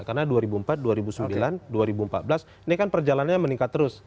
karena dua ribu empat dua ribu sembilan dua ribu empat belas ini kan perjalannya meningkat terus